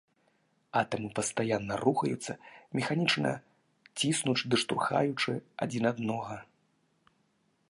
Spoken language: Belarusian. Атамы пастаянна рухаюцца, механічна ціснучы ды штурхаючы адзін аднаго.